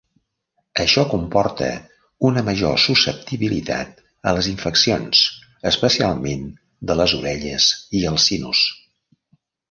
Això comporta una major susceptibilitat a les infeccions, especialment de les orelles i els sinus.